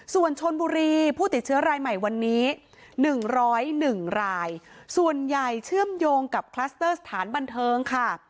ส่วนชนบุรีผู้ติดเชื้อรายใหม่วันนี้๑๐๑รายส่วนใหญ่เชื่อมโยงกับคลัสเตอร์สถานบันเทิงค่ะ